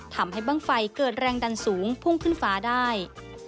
ทำให้บ้างไฟเกิดแรงดันสูงพุ่งขึ้นฟ้าได้